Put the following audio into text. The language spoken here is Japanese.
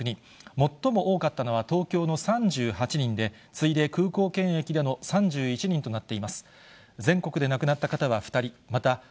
最も多かったのは東京の３８人で、次いで空港検疫での３１人となった。